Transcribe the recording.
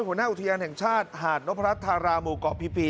หัวหน้าอุตยนต์แห่งชาติหาดนพรัชทารามูกอกพีพี